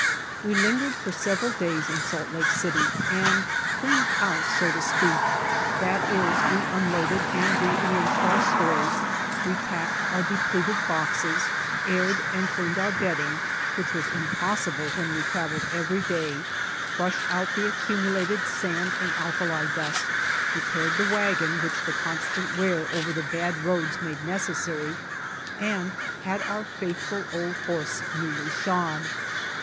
We lingered for several days in Salt Lake City and cleaned house so to speak. That is we unloaded and rearranged our stores, repacked our depleted boxes, aired and cleaned our bedding, which was impossible when we traveled every day, brushed out the accumulated sand and alkali dust, repaired the wagon which the constant wear over the bad roads made necessary, and had our faithful old horse newly shod.